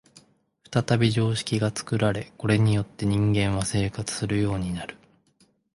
再び常識が作られ、これによって人間は生活するようになる。